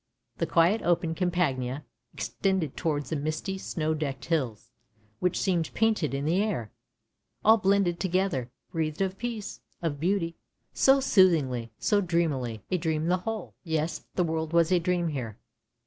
The quiet open Campagna extended towards the misty snow decked hills, which seemed painted in the air. All, blended together, breathed of peace, of beauty, so soothingly, so dreamily — a dream the whole. Yes, the world was a dream here.